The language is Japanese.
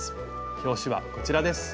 表紙はこちらです。